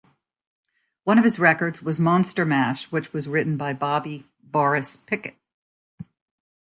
One of his records was "Monster Mash", which was written by Bobby "Boris" Pickett.